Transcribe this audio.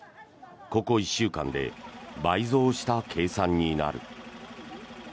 ここ１週間で倍増した計算になる。